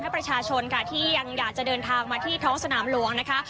ประชาชนค่ะที่ยังอยากจะเดินทางมาที่ท้องสนามหลวงนะคะ